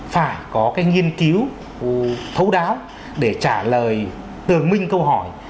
phải có cái nghiên cứu thấu đáo để trả lời tường minh câu hỏi